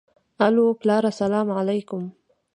الو پلاره سلام عليک.